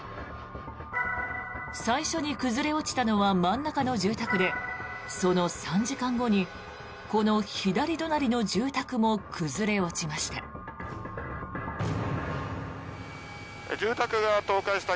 最初に崩れ落ちたのは真ん中の住宅でその３時間後にこの左隣の住宅も崩れ落ちました。